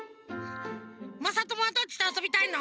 まさともはどっちとあそびたいの？